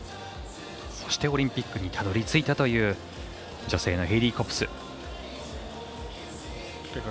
そして、オリンピックにたどり着いたという女性のヘイリー・コプス。